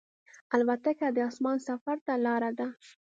الوتکه د اسمان سفر ته لاره ده.